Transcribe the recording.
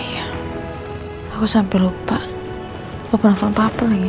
ayah aku sampai lupa apa apaan papa lagi